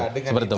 ya dengan itu